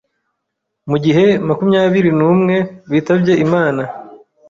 mu gihe makumyabiri numwe bitabye Imana.